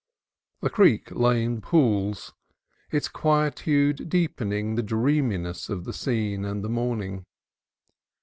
The creek lay in pools, its quietude deepening the dreami ness of the scene and the morning.